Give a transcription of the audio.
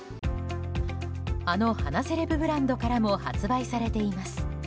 あの鼻セレブブランドからも発売されています。